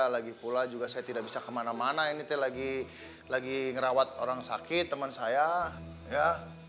lagi pula juga saya tidak bisa kemana mana ini lagi ngerawat orang sakit teman saya ya